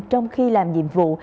trong khi làm nhiệm vụ